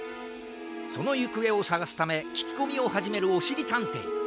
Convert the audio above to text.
そのゆくえをさがすためききこみをはじめるおしりたんてい。